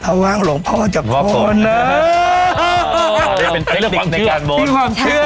ถ้าว่างหลวงพ่อจะพอนะเป็นเทคนิคในการโบนมีความเชื่อ